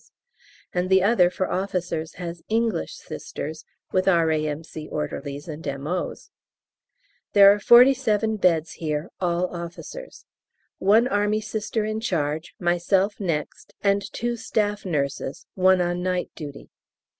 's, and the other for officers has English Sisters, with R.A.M.C. orderlies and M.O.'s. There are forty seven beds here (all officers). One Army Sister in charge, myself next, and two staff nurses one on night duty.